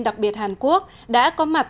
đặc biệt hàn quốc đã có mặt